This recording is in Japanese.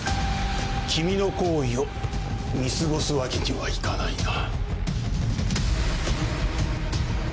君の行為を見過ごすわけにはいかないな。